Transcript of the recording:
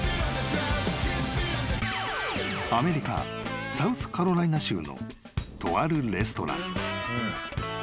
［アメリカサウスカロライナ州のとあるレストラン］